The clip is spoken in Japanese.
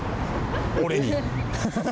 俺に。